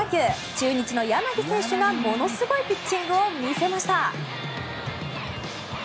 中日の柳選手がものすごいピッチングを見せました。